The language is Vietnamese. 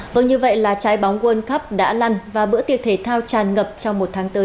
vâng như vậy là trái bóng world cup đã lăn và bữa tiệc thể thao tràn ngập trong một tháng tới